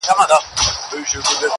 دې خاموش کور ته د خبرو بلبللکه راځي_